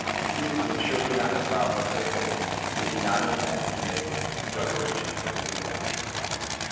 He would surely not have followed her thither did he not intend to make reparation for his neglect.